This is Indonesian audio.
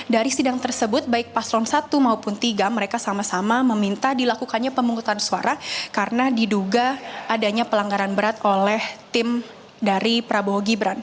dari sidang tersebut baik paslon satu maupun tiga mereka sama sama meminta dilakukannya pemungutan suara karena diduga adanya pelanggaran berat oleh tim dari prabowo gibran